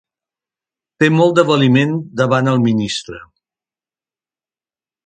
Té molt de valiment davant el ministre.